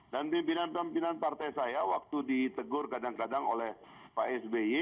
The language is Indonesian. dan pimpinan pimpinan partai saya waktu ditegur kadang kadang oleh pak sby